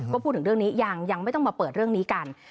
ก็พูดถึงเรื่องนี้ยังไม่ต้องมาเปิดเรื่องนี้กัน